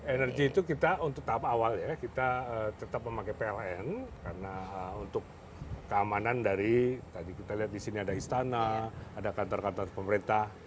energi itu kita untuk tahap awal ya kita tetap memakai pln karena untuk keamanan dari tadi kita lihat di sini ada istana ada kantor kantor pemerintah